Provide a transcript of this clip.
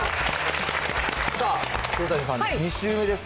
さあ、黒谷さん、２週目です